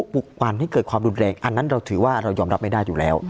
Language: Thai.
ปลุกปั่นให้เกิดความรุนแรงอันนั้นเราถือว่าเรายอมรับไม่ได้อยู่แล้ว